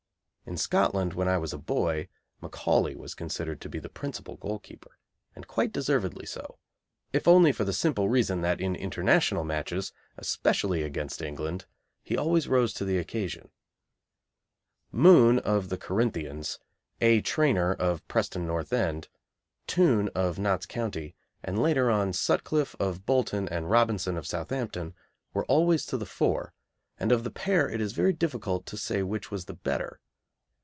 In Scotland, when I was a boy, Macaulay was considered to be the principal goalkeeper, and quite deservedly so, if only for the simple reason that in International matches, especially against England, he always rose to the occasion. Moon, of the Corinthians; A. Trainor, of Preston North End; Toone, of Notts County; and, later on, Sutcliffe, of Bolton, and Robinson, of Southampton, were always to the fore, and of the pair it is very difficult to say which was the better.